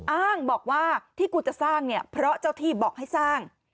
อ้างบอกว่าที่กูจะสร้างเนี่ยเพราะเจ้าที่บอกให้สร้าง